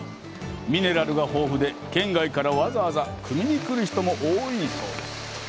ミネラルが豊富で県外からわざわざくみに来る人も多いそう。